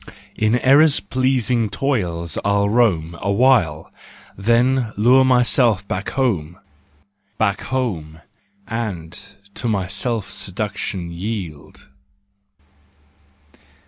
In Error's pleasing toils I'll roam Awhile, then lure myself back home, Back home, and—to my self seduction yield.